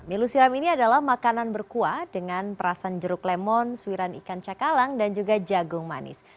milu siram ini adalah makanan berkuah dengan perasan jeruk lemon suiran ikan cakalang dan juga jagung manis